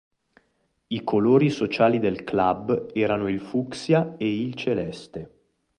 I colori sociali del club erano il fucsia e il celeste.